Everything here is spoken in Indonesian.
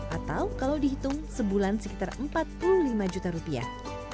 atau kalau dihitung sebulan sekitar empat puluh lima juta rupiah